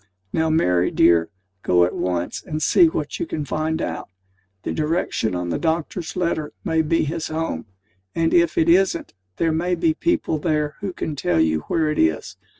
Now, Mary, dear, go at once, and see what you can find out. The direction on the doctor's letter may be his home; and if it isn't, there may be people there who can tell you where it is.